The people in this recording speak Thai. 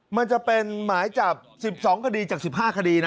มันจะเป็นหมายจับ๑๒คดีจาก๑๕คดีนะ